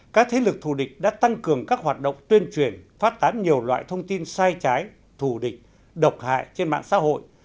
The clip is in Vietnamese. các thế lực thù địch đã tăng cường các hoạt động tuyên truyền phát tán nhiều loại thông tin sai trái thù địch độc hại trên mạng xã hội